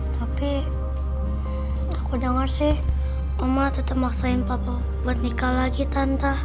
tapi aku dengar sih oma tetep maksain papa buat nikah lagi tante